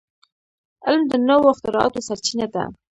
علم د نوو اختراعاتو سرچینه ده.